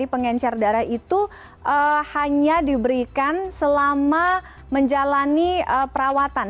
pengencer darah itu hanya diberikan selama menjalani perawatan